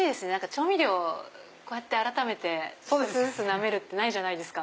調味料こうやって１個ずつなめるってないじゃないですか。